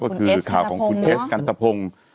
ก็คือข่าวของคุณเอสกันตะพงศ์